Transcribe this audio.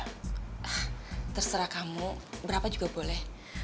ah terserah kamu berapa juga boleh